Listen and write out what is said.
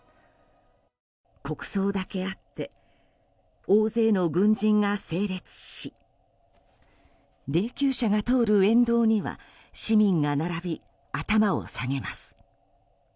国葬だけあって大勢の軍人が整列し霊柩車が通る沿道には市民が並び、頭を下げます。